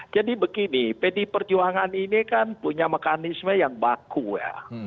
jadi begini pd perjuangan ini kan punya mekanisme yang baku ya